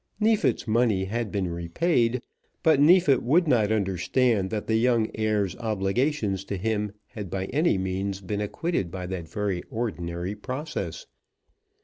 Neefit's money had been repaid, but Neefit would not understand that the young heir's obligations to him had by any means been acquitted by that very ordinary process.